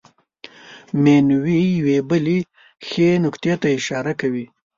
مینوي یوې بلې ښې نکتې ته اشاره کوي.